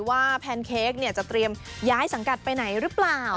แพนเค้กจะเตรียมย้ายสังกัดไปไหนหรือเปล่า